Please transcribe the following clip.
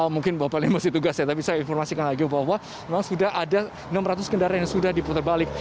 mungkin bapak ini masih tugas ya tapi saya informasikan lagi bahwa memang sudah ada enam ratus kendaraan yang sudah diputar balik